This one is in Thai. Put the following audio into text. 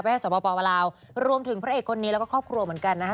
สวปปลาวรวมถึงพระเอกคนนี้แล้วก็ครอบครัวเหมือนกันนะคะ